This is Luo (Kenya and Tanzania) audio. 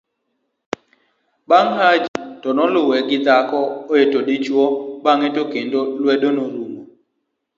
bang' Haji to noluwe gi dhako aeto dichuwo bang'e to keto luedo norumo